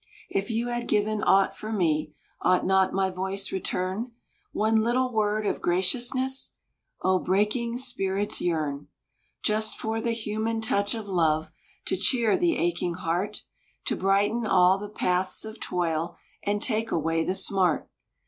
If you have given aught for me, Ought not my voice return One little word of graciousness? O, breaking spirits yearn Just for the human touch of love To cheer the aching heart, To brighten all the paths of toil, And take away the smart!